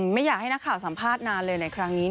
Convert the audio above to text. แจ้งในหน้าข่าวสัมภาษณ์นานเลยในครั้งนี้